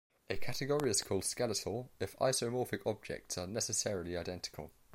A category is called skeletal if isomorphic objects are necessarily identical.